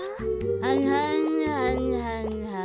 はんはんはんはんはん。